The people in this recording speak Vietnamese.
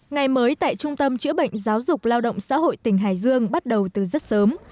ngày mới tại trung tâm chữa bệnh giáo dục lao động xã hội tỉnh hải dương bắt đầu từ rất sớm